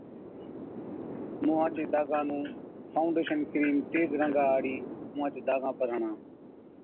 مُونهان چي داگان نُون ’فائوڊيشن‘ ڪرِيم تيز رنگا هاڙي اُونهاچ داگان پر هڻا